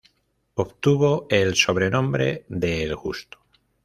Obtuvo el sobrenombre de "el Justo".